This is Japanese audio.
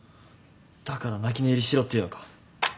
だから泣き寝入りしろっていうのか。